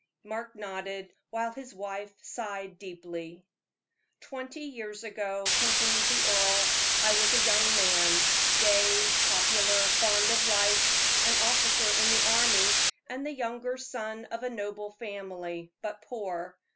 Mark nodded, while his wife sighed deeply. "Twenty years ago," continued the earl, "I was a young man, gay, popular, fond of life, an officer in the army, and the younger son of a noble family, but poor.